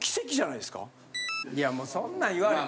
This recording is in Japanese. いやもうそんなん言われても。